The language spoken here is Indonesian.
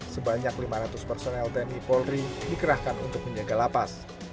sebanyak lima ratus personel tni polri dikerahkan untuk menjaga lapas